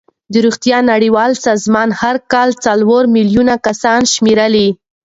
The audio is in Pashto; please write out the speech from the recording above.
د روغتیا نړیوال سازمان هر کال څلور میلیون کسان شمېرلې.